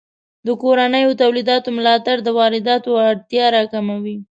د کورنیو تولیداتو ملاتړ د وارداتو اړتیا راکموي.